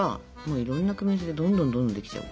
いろんな組み合わせでどんどんどんどんできちゃうから。